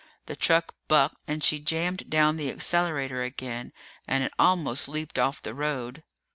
The truck bucked, and she jammed down the accelerator again, and it almost leaped off the road.